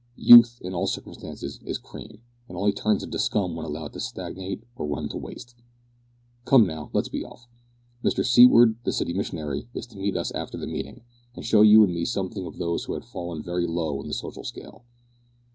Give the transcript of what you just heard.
Youth, in all circumstances, is cream, and only turns into scum when allowed to stagnate or run to waste. Come, now, let us be off. Mr Seaward, the city missionary, is to meet us after the meeting, and show you and me something of those who have fallen very low in the social scale.